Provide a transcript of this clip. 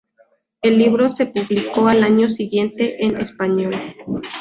El libro se publicó al año siguiente en español.